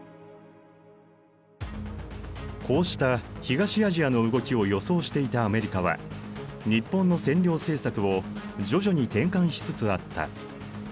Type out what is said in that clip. こうした東アジアの動きを予想していたアメリカは日本の占領政策を徐々に転換しつつあった。